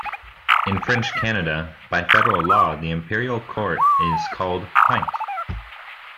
In French Canada, by federal law, the imperial quart is called pinte.